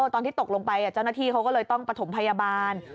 ตอนที่ตกลงไปเจ้าหน้าที่เขาก็เลยต้องปฐมพยาบาล